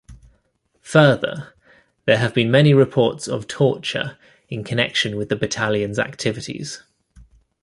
Further, there have been many reports of torture in connection with the battalion's activities.